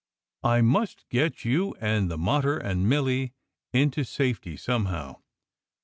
"I must get you and the mater and Milly into safety somehow.